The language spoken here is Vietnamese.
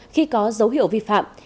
khi có dấu hiệu vi phạm